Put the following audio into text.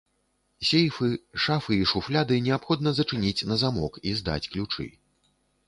Сейфы, шафы і шуфляды неабходна зачыніць на замок і здаць ключы.